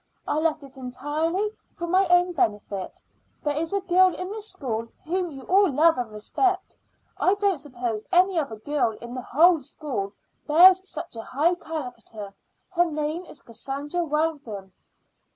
I left it entirely for my own benefit. There is a girl in this school whom you all love and respect. I don't suppose any other girl in the whole school bears such a high character. Her name is Cassandra Weldon."